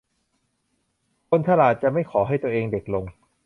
คนฉลาดจะไม่ขอให้ตัวเองเด็กลง